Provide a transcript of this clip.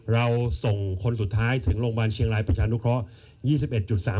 เราส่งคนสุดท้ายถึงโรงพยาบาลเชียงรายประชานุเคราะห์